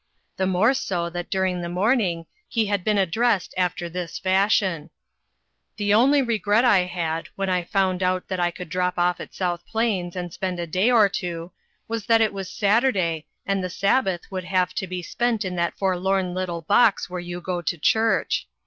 The more so that during the morning he had been addressed after this fashion :" The only regret I had, when I found that I could drop off at South Plains and spend a day or two, was that it was Satur day, and the Sabbath would have to be spent in that forlorn little box where you go to church.